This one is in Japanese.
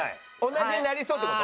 同じになりそうって事？